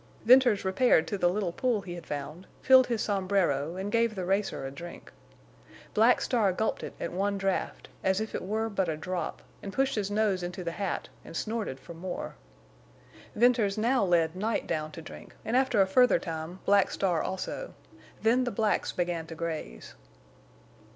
Venters repaired to the little pool he had found, filled his sombrero, and gave the racer a drink. Black Star gulped it at one draught, as if it were but a drop, and pushed his nose into the hat and snorted for more. Venters now led Night down to drink, and after a further time Black Star also. Then the blacks began to graze.